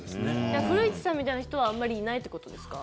じゃあ古市さんみたいな人はあまりいないということですか？